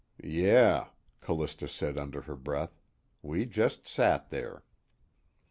"Yeah," Callista said under her breath, "we just sat there."